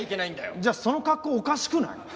じゃあその格好おかしくない？